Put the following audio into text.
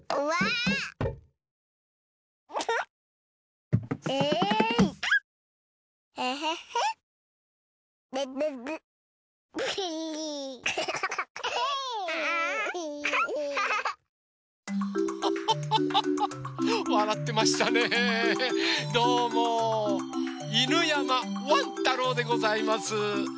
ワン太郎でございます。